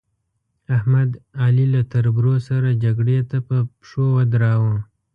احمد؛ علي له تربرو سره جګړې ته په پشو ودراوو.